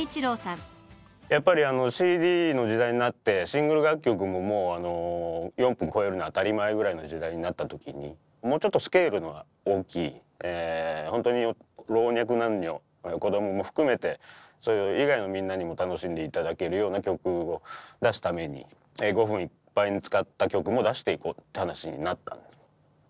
やっぱりＣＤの時代になってシングル楽曲ももう４分超えるの当たり前ぐらいの時代になった時にもうちょっとスケールの大きいほんとに老若男女子どもも含めてそういう以外のみんなにも楽しんで頂けるような曲を出すために５分いっぱいに使った曲も出していこうって話になったんです。